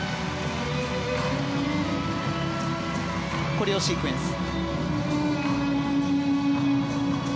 コレオシークエンス。